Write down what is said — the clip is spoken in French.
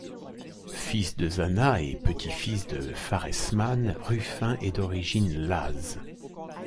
Fils de Zanna et petit-fils de Pharesmane, Rufin est d'origine Laze.